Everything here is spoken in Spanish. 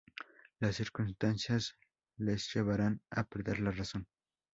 Las circunstancias les llevarán a perder la razón.